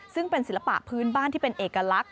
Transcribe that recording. ซึ่งเป็นศิลปะพื้นบ้านที่เป็นเอกลักษ